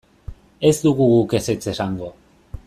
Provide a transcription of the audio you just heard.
Ez dugu guk ezetz esango.